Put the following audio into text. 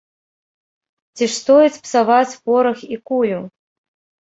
Ці ж стоіць псаваць порах і кулю!?.